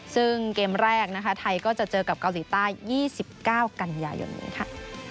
ซึ่งเกมแรกนะคะไทยก็จะเจอกับเกาหลีใต้๒๙กันยายนนี้ค่ะ